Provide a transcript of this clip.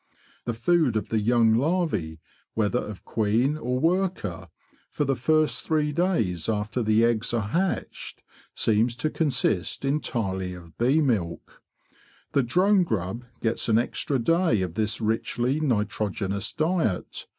The food of the young larve, whether of queen or worker, for the first three days after the eggs are hatched, seems to consist entirely of bee milk. The drone grub gets an extra day of this richly nitrogenous diet.